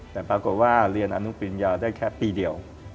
แต่ปรากฏว่าเรียนอนุปริญญาได้แค่ปีเดียว